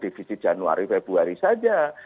bukan menjadi defisit januari februari saja